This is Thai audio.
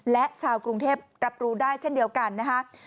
และชาวกรุงเทพรับรู้ได้เช่นเดียวกันนะคะ